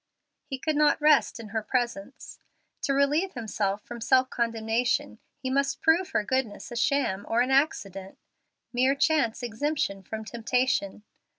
He could not rest in her presence. To relieve himself from self condemnation, he must prove her goodness a sham or an accident mere chance exemption from temptation.